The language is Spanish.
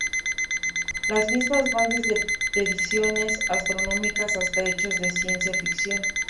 Las mismas van desde predicciones astronómicas hasta hechos de ciencia ficción.